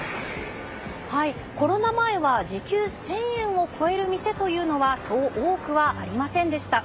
コロナ前は時給１０００円を超える店はそう多くはありませんでした。